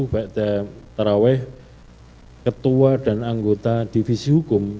baik taraweh ketua dan anggota divisi hukum